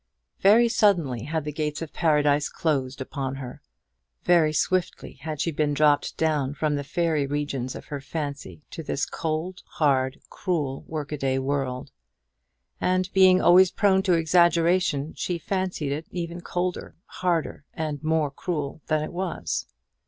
Very suddenly had the gates of Paradise closed upon her: very swiftly had she been dropped down from the fairy regions of her fancy to this cold, hard, cruel workaday world; and being always prone to exaggeration, she fancied it even colder, harder, and more cruel than it was.